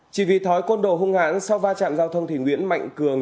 chỉ vì thói con đồ hung hãn sau va chạm giao thông thì nguyễn mạnh cường